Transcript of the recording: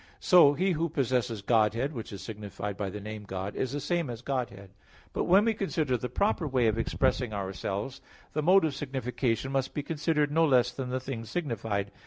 So He who possesses Godhead, which is signified by the name God, is the same as Godhead. But when we consider the proper way of expressing ourselves, the mode of signification must be considered no less than the thing signified.